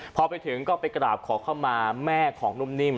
พอไปถึงก็ไปกราบขอเข้ามาแม่ของนุ่มนิ่ม